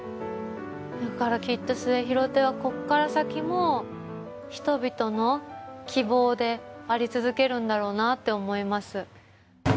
だからきっと『末廣亭』はここから先も人々の希望であり続けるんだろうなって思います。